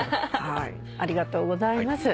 ありがとうございます。